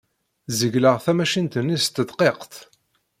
Zegleɣ tamacint-nni s tedqiqt.